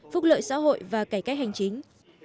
phúc lợi xã hội và cải cách hành chính